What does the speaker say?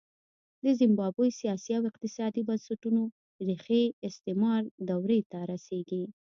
د زیمبابوې سیاسي او اقتصادي بنسټونو ریښې استعمار دورې ته رسېږي.